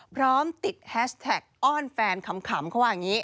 พร้อมติดแฮชแท็กอ้อนแฟนขำเขาว่าอย่างนี้